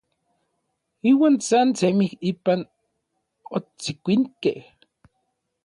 Iuan san semij ipan otsikuinkej.